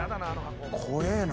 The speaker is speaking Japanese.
怖えな。